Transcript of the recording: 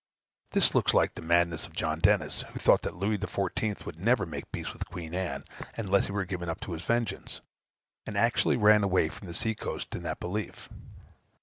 This looks like the madness of John Dennis, who thought that Louis XIV. would never make peace with Queen Anne, unless he were given up to his vengeance; and actually ran away from the sea coast in that belief.